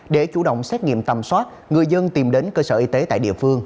để chủ động xét nghiệm tầm soát người dân tìm đến cơ sở y tế tại địa phương